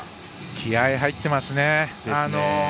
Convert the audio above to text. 気合い入ってますね。